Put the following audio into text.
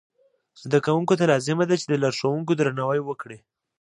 زده کوونکو ته لازمه ده چې د لارښوونکو درناوی وکړي.